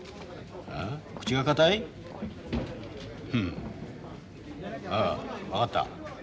ふんああ分かった。